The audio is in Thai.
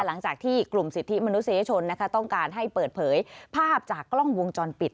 หลังจากที่กลุ่มสิทธิมนุษยชนต้องการให้เปิดเผยภาพจากกล้องวงจรปิด